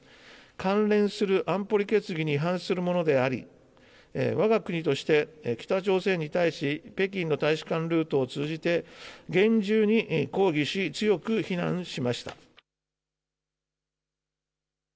関連する安保理決議に違反するものであり、わが国として、北朝鮮に対し、北京の大使館ルートを通じて、厳重に抗議し、強く非難しました。